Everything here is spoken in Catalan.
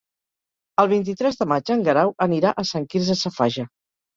El vint-i-tres de maig en Guerau anirà a Sant Quirze Safaja.